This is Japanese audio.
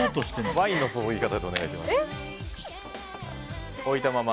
ワインの注ぎ方でお願いします。